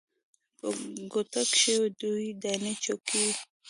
په کوټه کښې دوې دانې چوکۍ وې.